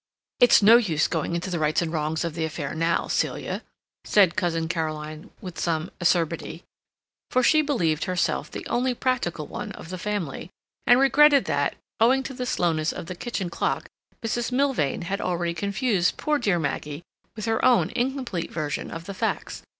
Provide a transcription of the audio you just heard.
"It's no use going into the rights and wrongs of the affair now, Celia," said Cousin Caroline with some acerbity, for she believed herself the only practical one of the family, and regretted that, owing to the slowness of the kitchen clock, Mrs. Milvain had already confused poor dear Maggie with her own incomplete version of the facts.